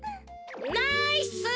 ナイス！